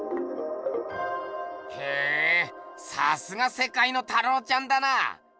へぇさすがせかいの太郎ちゃんだな。